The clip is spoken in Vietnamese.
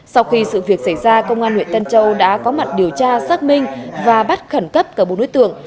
sau khi sự việc xảy ra công an huyện tân châu đã có mặt điều tra xác minh và bắt khẩn cấp cả bốn đối tượng